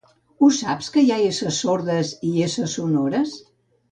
Ho saps que hi ha esses sordes i esses sonores?